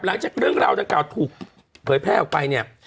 หลังจากเรื่องราวดังกล่าวถูกเผยแพร่ออกไปเนี่ย